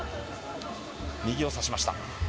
右を差しました。